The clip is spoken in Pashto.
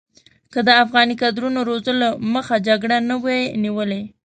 که د افغاني کادرونو روزلو مخه جګړې نه وی نیولې.